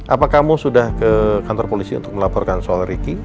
apa kamu sudah ke kantor polisi untuk melaporkan soal ricky